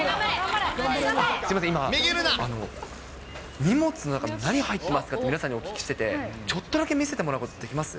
すみません、今、荷物の中、何入ってますかって皆さんにお聞きしてて、ちょっとだけ見せてもらうことって、できます？